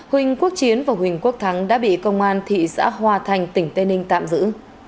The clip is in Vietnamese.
huỳnh quốc chiến và huỳnh quốc thắng đã bị công an thị xã hòa thành tỉnh tây ninh tạm giữ